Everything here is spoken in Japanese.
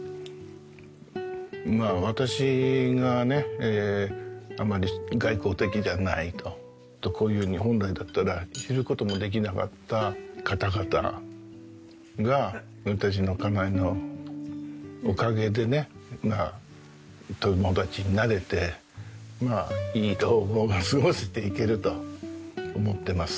まあ私がねあまり外交的じゃないとこういうふうに本来だったら知る事もできなかった方々が私の家内のおかげでね友達になれていい老後が過ごしていけると思ってます。